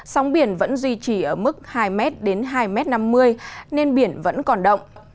sóng biển vẫn duy trì ở mức hai m đến hai năm mươi nên biển vẫn còn động